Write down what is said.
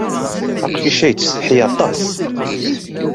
Aqcic-a, yettsetḥi aṭas.